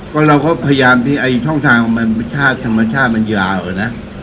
ก็เราก็พยายามที่ไอ้ช่องทางของมันชาติธรรมชาติมันยาวอะนะ